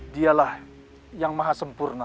dialah yang mahasempurna